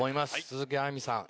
鈴木亜美さん